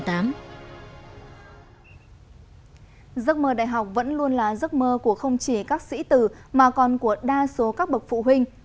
giấc mơ đại học vẫn luôn là giấc mơ của không chỉ các sĩ tử mà còn của đa số các bậc phụ huynh